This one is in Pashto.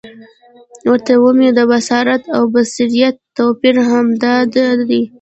ورته ومي د بصارت او بصیرت توپیر همد دادی،